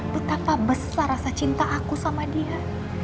betapa besar rasa cinta aku sama dia